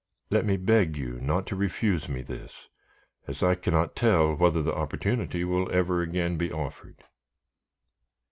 Let me beg you not to refuse me this, as I cannot tell whether the opportunity will ever again be offered."